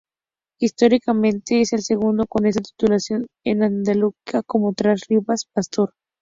Históricamente es el segundo con esta titulación en Andalucía, tras Manuel Rivas Pastor.